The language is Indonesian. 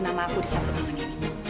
nama aku di sapu tangan ini